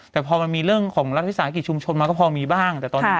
แต่พอมันมีเรื่องของรัฐพิสาธิตชุมชนมาก็พอมีบ้าง